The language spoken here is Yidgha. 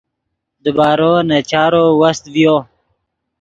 دیبارو نے چارو وست ڤیو